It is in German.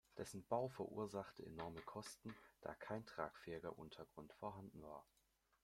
Dessen Bau verursachte enorme Kosten, da kein tragfähiger Untergrund vorhanden war.